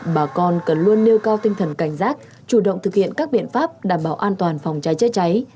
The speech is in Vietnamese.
bà con cần luôn nêu cao tinh thần cảnh giác chủ động thực hiện các biện pháp đảm bảo an toàn phòng cháy chữa cháy